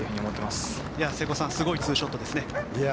すごいツーショットですね。